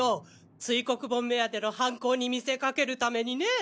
堆黒盆目当ての犯行に見せかける為にね！！